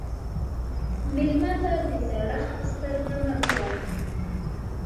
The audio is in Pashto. مېلمه ته د زړښت په سترګه مه ګوره.